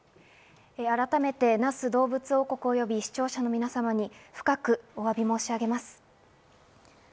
改めて那須どうぶつ王国及び視聴者の皆様に、深くお詫び申し上げます。